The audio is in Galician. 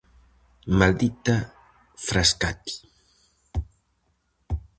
Maldita Frascati!